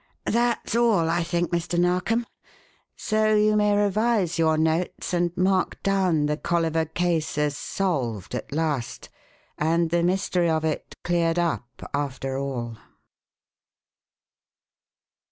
That's all, I think, Mr. Narkom; so you may revise your 'notes' and mark down the Colliver case as 'solved' at last and the mystery of it cleared up after all."